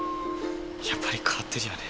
やっぱり変わってるよね。